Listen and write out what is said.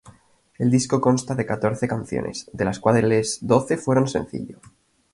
El disco consta de catorce canciones, de las cuales doce fueron Sencillo.